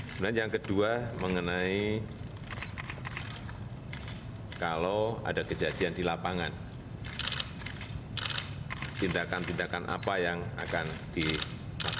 kemudian yang kedua mengenai kalau ada kejadian di lapangan tindakan tindakan apa yang akan dilakukan